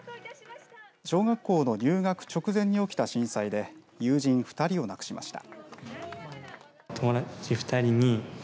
小学校の入学直前に起きた震災で友人２人を亡くしました。